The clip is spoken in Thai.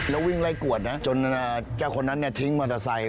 แล้ววิ่งไล่กวดนะจนเจ้าคนนั้นทิ้งมอเตอร์ไซค์